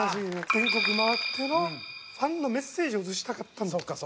全国回ってのファンのメッセージを映したかったんだと。